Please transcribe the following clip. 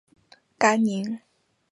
干宁三年兼任吏部尚书。